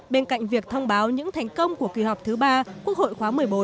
bên cạnh việc thông báo những thành công của kỳ họp thứ ba quốc hội khóa một mươi bốn